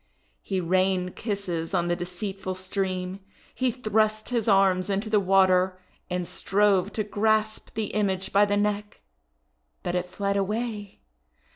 He rained kisses on the deceitful stream. He thrust his arms into the water, and strove to grasp the image by the neck, but it fled away.